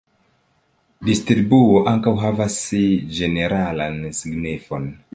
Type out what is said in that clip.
Distribuo ankaŭ havas ĝeneralan signifon.